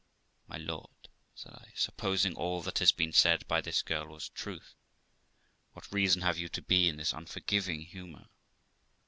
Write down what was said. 'My lord', said I, 'supposing all that has been said by this girl was truth, what reason have you to be in this unforgiving hunour?